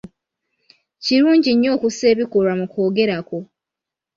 Kirungi nnyo okussa ebikolwa mu kwogera kwo.